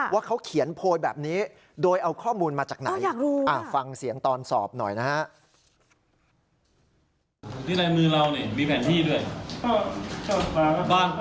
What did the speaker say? ว่าเขาเขียนโพยแบบนี้โดยเอาข้อมูลมาจากไหนฟังเสียงตอนสอบหน่อยนะฮะ